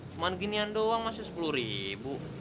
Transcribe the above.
cuma ginian doang masih sepuluh ribu